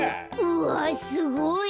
うわすごい。